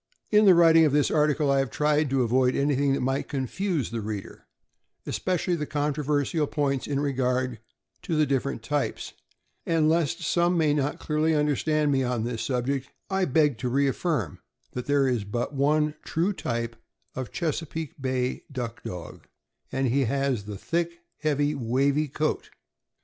In the writing of this article I have tried to avoid any thing that might confuse the reader, especially the con troversial points in regard to the different types; and lest some may not clearly understand me on this subject, I beg to reaffirm that there is but one true type of Chesapeake Bay Duck Dog, and he has the thick, heavy, wavy coat.